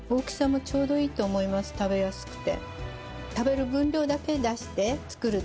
食べやすくて。